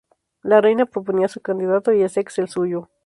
La reina proponía su candidato y Essex el suyo.